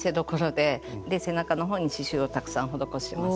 で背中の方に刺しゅうをたくさん施します。